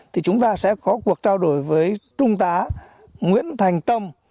thì chúng ta sẽ có cuộc trao đổi với trung tá nguyễn thành tâm